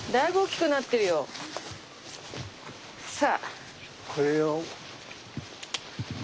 さあ！